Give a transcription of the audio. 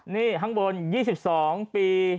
นี่ข้างบน๒๒ปี